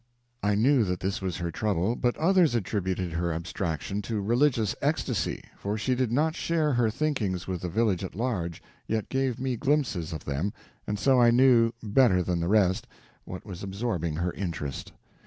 I knew that this was her trouble, but others attributed her abstraction to religious ecstasy, for she did not share her thinkings with the village at large, yet gave me glimpses of them, and so I knew, better than the rest, what was absorbing her interest.